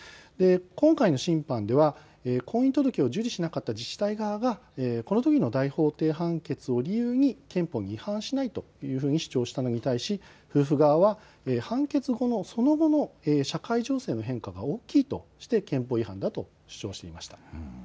今回の審判では婚姻届を受理しなかった自治体側が、このときの大法廷判決を理由に憲法に違反しないと主張したのに対し夫婦側は判決後の、その後の社会情勢の変化が大きいとして憲法違反だと主張しました。